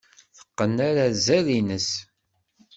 Teqqen arazal-nnes.